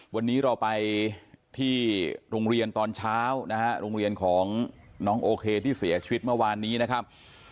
วันนี้เราไปที่โรงเรียนตอนเช้านะฮะโรงเรียนของน้องโอเคที่เสียชีวิตเมื่อวานนี้นะครับ